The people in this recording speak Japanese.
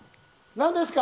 何ですか？